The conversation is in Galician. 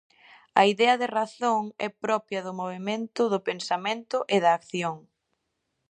A idea de Razón é propia do movemento do pensamento e da acción.